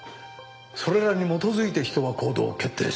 それらに基づいて人は行動を決定する。